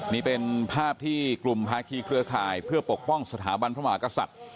นี่เป็นภาพที่กลุ่มภาคีเครือข่ายเพื่อปกป้องสถาบันพระมหากษัตริย์